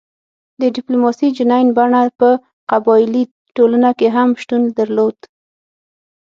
د ډیپلوماسي جنین بڼه په قبایلي ټولنه کې هم شتون درلود